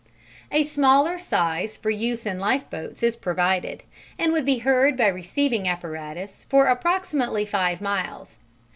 A smaller size for use in lifeboats is provided, and would be heard by receiving apparatus for approximately five miles.